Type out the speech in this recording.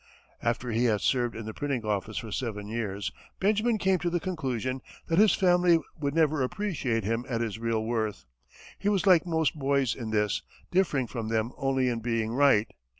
After he had served in the printing office for seven years, Benjamin came to the conclusion that his family would never appreciate him at his real worth. He was like most boys in this, differing from them only in being right.